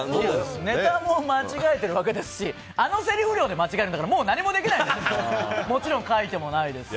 ネタも間違えてるわけですしあのせりふ量で間違えるんだからもう何もできないじゃないですか。